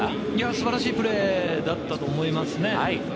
素晴らしいプレーだったと思いますね。